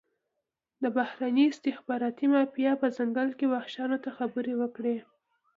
د بهرني استخباراتي مافیا په ځنګل کې وحشیانو ته خبره وکړي.